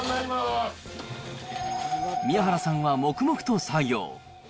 宮原さんは黙々と作業。